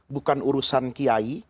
bukan urusan kiai